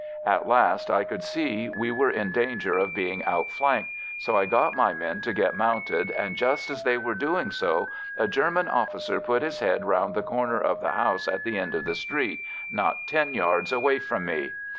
At last I could see we were in danger of being outflanked, so I got my men to get mounted, and just as they were doing so a German officer put his head round the corner of the house at the end of the street not ten yards away from me.